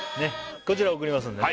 こちらを送りますんでね